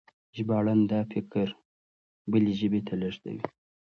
ژباړن دا فکر بلې ژبې ته لېږدوي.